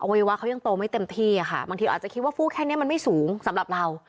วัยวะเขายังโตไม่เต็มที่ค่ะบางทีอาจจะคิดว่าฟู้แค่นี้มันไม่สูงสำหรับเรา